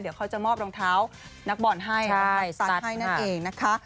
เดี๋ยวเขาจะมอบรองเท้านักบอลให้รองรับซัดให้นั่นเองนะคะ